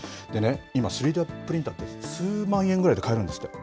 今、３Ｄプリンターと数万円ぐらいで買えるんですって。